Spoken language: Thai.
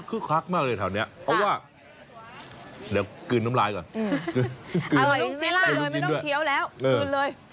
ลูกชิ้นไปเลยไม่ต้องเคี้ยวแล้ว